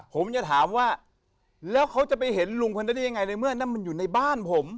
ผมจะถามว่าแล้วเขาจะไปเห็นลุงคนนั้นได้ยังไงในเมื่อนั้นมันอยู่ในบ้านผม